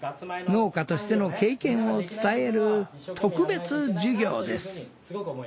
農家としての経験を伝える特別授業です。